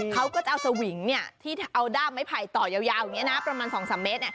เขาก็จะเอาสวิงที่เอาด้ามไม้ไผ่ต่อยาวอย่างนี้นะประมาณ๒๓เมตร